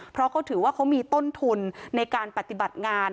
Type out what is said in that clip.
เพราะเขาถือว่าเขามีต้นทุนในการปฏิบัติงาน